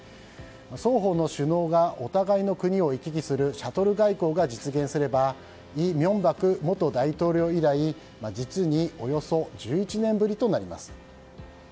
双方の首脳がお互いの国を行き来するシャトル外交が実現すれば李明博元大統領以来実におよそ１１年ぶりとなります。